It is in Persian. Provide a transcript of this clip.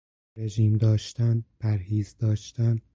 رژیم داشتن، پرهیز داشتن